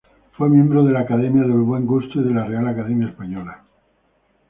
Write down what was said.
Fue miembro de la Academia del Buen Gusto y de la Real Academia Española.